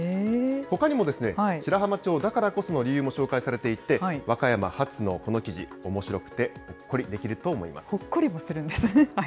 ほかにも、白浜町だからこその理由も紹介されていて、和歌山発のこの記事、おもしろくほっこりもするんですね。